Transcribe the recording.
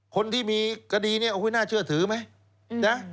คนที่มีคดีนี่โอ้โหน่าเชื่อถือไหม